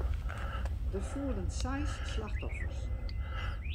Der foelen seis slachtoffers.